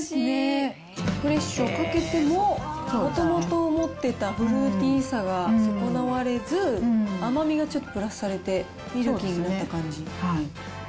フレッシュをかけても、もともと持ってたフルーティーさが損なわれず、甘みがちょっとプラスされてミルキーになった感じ。